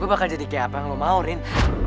gue bahkan jadi kayak apa yang lo mau rin